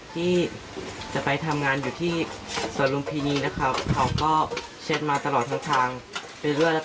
ที่จะไปทำงานอยู่ที่สวนลุมพินีนะครับเขาก็เช็ดมาตลอดทั้งทางไปเรื่อย